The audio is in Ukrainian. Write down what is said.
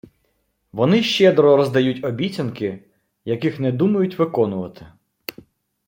Вони щедро роздають обіцянки, яких не думають виконувати